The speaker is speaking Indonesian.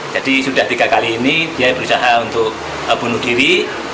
sudah tiga kali ini dia berusaha untuk bunuh diri